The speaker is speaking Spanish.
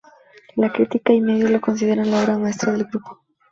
La crítica y medios lo consideran la obra maestra del grupo.